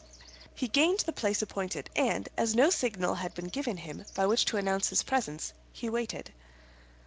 He gained the place appointed, and as no signal had been given him by which to announce his presence, he waited.